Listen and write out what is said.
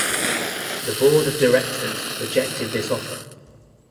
The board of directors rejected this offer.